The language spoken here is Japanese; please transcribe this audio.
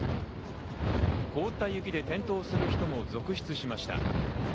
凍った雪で転倒する人も続出しました。